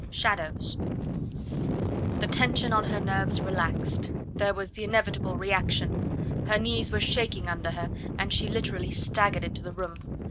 SHADOWS The tension on her nerves relaxed; there was the inevitable reaction. Her knees were shaking under her, and she literally staggered into the room.